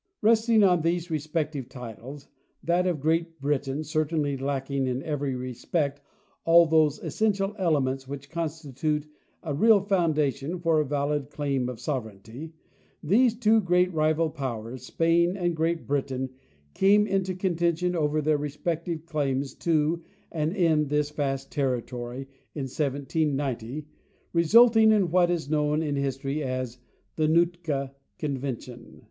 Resting on these respective titles, that of Great Britain cer tainly lacking in every respect all those essential elements which constitute a real foundation for a valid claim to sovereignty, these two great rival powers, Spain and Great Britain, came into contention over their respective claims to and in this vast terri tory in 1790, resulting in what is known in history as "the Nootka convention."